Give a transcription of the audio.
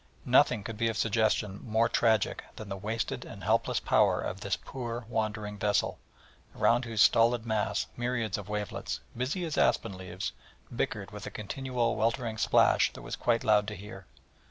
Nothing could be of suggestion more tragic than the wasted and helpless power of this poor wandering vessel, around whose stolid mass myriads of wavelets, busy as aspen leaves, bickered with a continual weltering splash that was quite loud to hear.